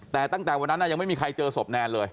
แต่ตั้งแต่วันนั้นยังไม่มีใครเจอศพแนนเลย